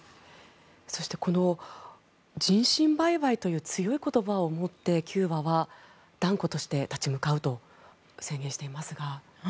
そしてこの人身売買という強い言葉をもってキューバは断固として立ち向かうと宣言していますが。